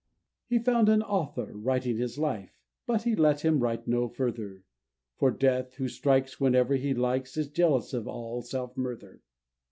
He found an author writing his life, But he let him write no further; For Death, who strikes whenever he likes, Is jealous of all self murther!